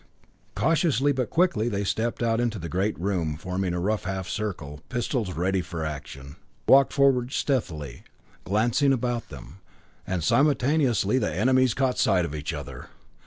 Cautiously but quickly they stepped out into the great room, forming a rough half circle, pistols ready for action. They walked forward stealthily, glancing about them and simultaneously the enemies caught sight of each other.